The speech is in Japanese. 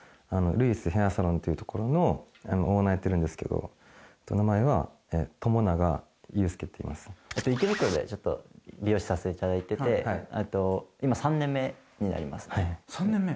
’ｗｉｓヘアサロンっていうところのオーナーやってるんですけど名前は朝長祐介っていいます池袋でちょっと美容師させていただいてて今３年目になります３年目？